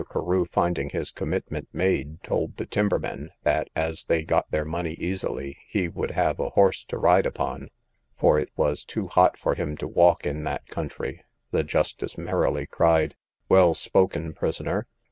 Carew, finding his commitment made, told the timbermen, that, as they got their money easily, he would have a horse to ride upon, for it was too hot for him to walk in that country. The justice merrily cried, Well spoken, prisoner.